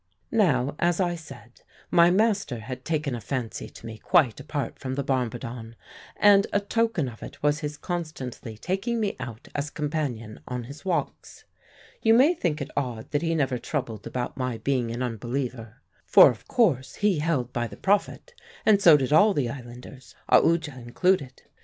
"Now, as I said, my master had taken a fancy to me quite apart from the bombardon, and a token of it was his constantly taking me out as companion on his walks. You may think it odd that he never troubled about my being an unbeliever for of course he held by the Prophet, and so did all the islanders, Aoodya included.